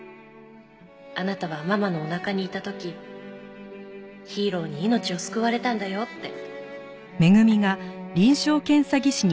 「あなたはママのお腹にいた時ヒーローに命を救われたんだよって」